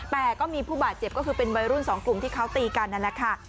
แต่ก็มีผู้บาดเจ็บก็คือเป็นวัยรุ่นสองกลุ่มที่เขาตีกันนั่นแหละค่ะ